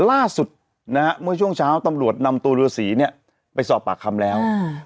ล่าสุดเมื่อช่วงเช้าตำรวจนำตัวรื้อสีไปสอบปากคำแล้ว